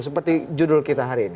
seperti judul kita hari ini